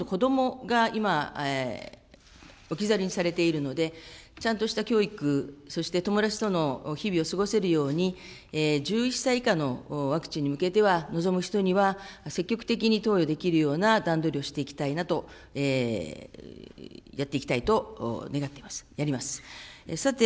そうこうしているうちに、今度、子どもが今、置き去りにされているので、ちゃんとした教育、そして友達との日々を過ごせるように、１１歳以下のワクチンに向けては、臨む人には積極的に投与できるような段取りをしていきたいなと、やっていきたいと願っています、やります。